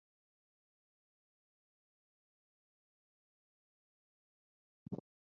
Cash supports several charitable organizations.